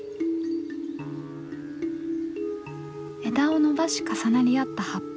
枝を伸ばし重なり合った葉っぱ。